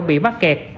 bị mắc kẹt